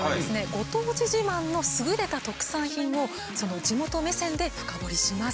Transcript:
ご当地自慢のすぐれた特産品をその地元目線で深掘りします。